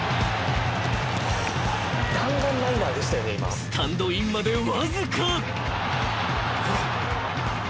［スタンドインまでわずか］